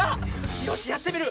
よしやってみる。